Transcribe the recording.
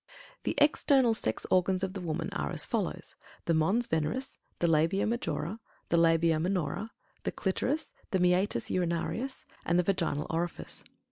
The external sex organs of the woman are as follows: The Mons Veneris; the Labia Majora; the Labia Minora; the Clitoris; the Meatus Urinarius; and the Vaginal Orifice.